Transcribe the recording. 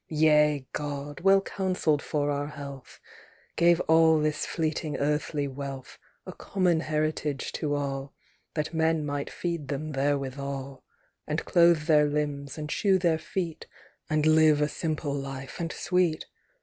Yea, God, well counselled for our health, Gave all this fleeting earthly wealth A common heritage to all, That men might feed them therewithal, And clothe their limbs and shoe their feet And live a simple life and sweet.